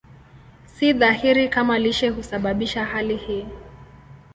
Si dhahiri kama lishe husababisha hali hii.